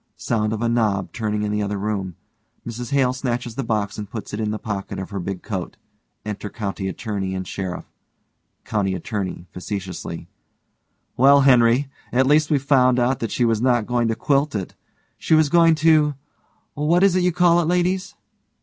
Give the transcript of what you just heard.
Sound of a knob turning in the other room_. MRS HALE snatches the box and puts it in the pocket of her big coat. Enter COUNTY ATTORNEY and SHERIFF.) COUNTY ATTORNEY: (facetiously) Well, Henry, at least we found out that she was not going to quilt it. She was going to what is it you call it, ladies?